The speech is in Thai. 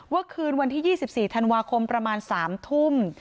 คืนวันที่๒๔ธันวาคมประมาณ๓ทุ่ม